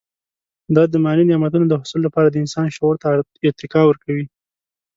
دا د مادي نعمتونو د حصول لپاره د انسان شعور ته ارتقا ورکوي.